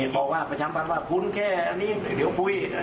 บอกว่าประจำวันว่าคุณแค่อันนี้เดี๋ยวคุย